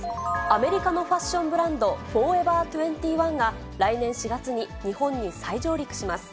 アメリカのファッションブランド、フォーエバー２１が、来年４月に日本に再上陸します。